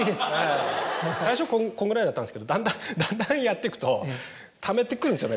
最初こんぐらいだったんですけどだんだんやっていくとためてくるんですよね